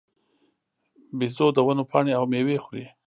بیزو د ونو پاڼې او مېوې خوري.